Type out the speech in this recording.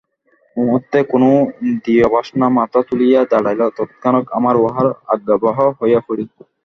মুহূর্তে কোন ইন্দ্রিয়-বাসনা মাথা তুলিয়া দাঁড়াইলে তৎক্ষণাৎ আমরা উহার আজ্ঞাবহ হইয়া পড়ি।